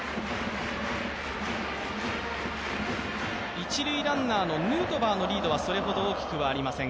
一塁ランナーのヌートバーのリードはそれほど大きくありません。